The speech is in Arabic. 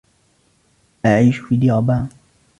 أعيش في اليابان.